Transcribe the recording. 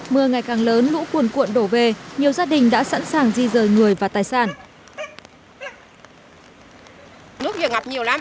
mưa ngày càng lớn lũ cuồn cuộn đổ về nhiều gia đình đã sẵn sàng di rời người và tài sản